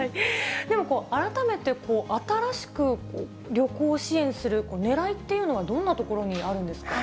でも改めて、新しく旅行を支援するねらいっていうのはどんな所にあるんですか。